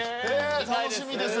楽しみです。